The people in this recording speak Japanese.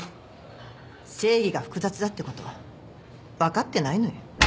正義が複雑だってこと分かってないのよ。